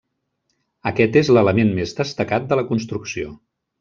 Aquest és l'element més destacat de la construcció.